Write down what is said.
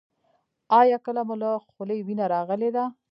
ایا کله مو له خولې وینه راغلې ده؟